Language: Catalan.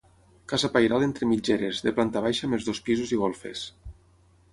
Casa pairal entre mitgeres, de planta baixa més dos pisos i golfes.